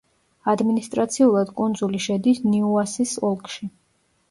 ადმინისტრაციულად კუნძული შედის ნიუასის ოლქში.